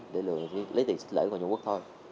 để lấy tiền xính lễ của người trung quốc thôi